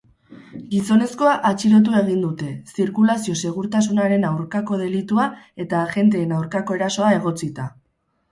Gizonezkoa atxilotu egin dute, zirkulazio-segurtasunaren aurkako delitua eta agenteen aurkako erasoa egotzita.